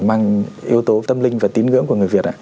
mang yếu tố tâm linh và tín ngưỡng của người việt ạ